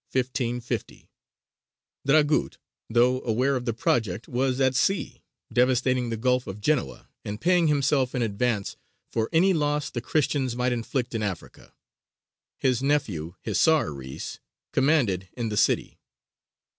Dragut, though aware of the project, was at sea, devastating the Gulf of Genoa, and paying himself in advance for any loss the Christians might inflict in Africa: his nephew, Hisār Reïs commanded in the city.